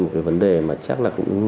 một vấn đề mà chắc là